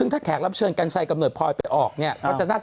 ถ้าแขกรับเชิญกันชัยกับเหนียวพรอยไปออกจะน่าจะออก๔เทป